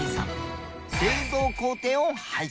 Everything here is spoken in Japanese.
製造工程を拝見。